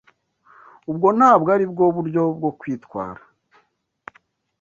Ubwo ntabwo aribwo buryo bwo kwitwara.